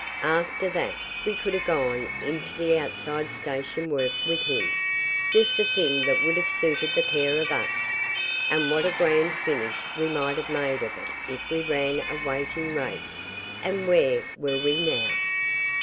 After that we could have gone into the outside station work with him just the thing that would have suited the pair of us; and what a grand finish we might have made of it if we ran a waiting race; and where were we now?